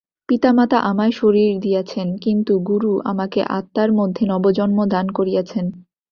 পিতামাতা আমায় শরীর দিয়াছেন, কিন্তু গুরু আমাকে আত্মার মধ্যে নবজন্ম দান করিয়াছেন।